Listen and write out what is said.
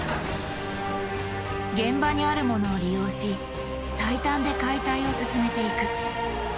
現場にあるものを利用し最短で解体を進めていく。